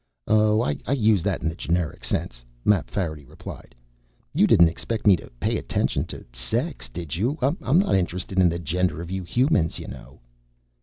"Oh, I used that in the generic sense," Mapfarity replied. "You didn't expect me to pay any attention to sex, did you? I'm not interested in the gender of you Humans, you know."